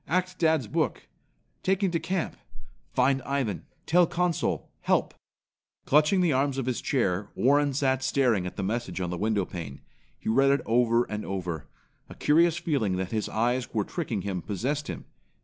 Ac't dad's book. Taken to camp. Find Ivan. Tell Consul. Help." Clutching the arms of his chair, Warren sat staring at the message on the window pane. He read it over and over. A curious feeling that his eyes were tricking him possessed him.